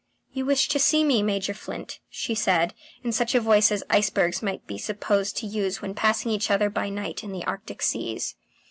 "You wish to see me, Major Flint?" she said, in such a voice as icebergs might be supposed to use when passing each other by night in the Arctic seas.